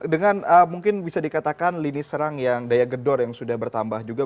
dengan mungkin bisa dikatakan lini serang yang daya gedor yang sudah bertambah juga